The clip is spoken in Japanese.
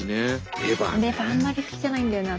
レバーあんまり好きじゃないんだよね